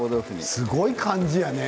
すごい漢字やね。